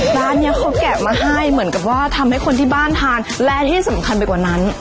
ร้านนี้เขาแกะมาให้เหมือนกับว่าทำให้คนที่บ้านทานและที่สำคัญไปกว่านั้น